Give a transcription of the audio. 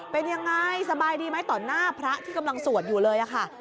เป็นยังไงสบายดีไหมต่อหน้าพระที่กำลังสวดอยู่เลยค่ะ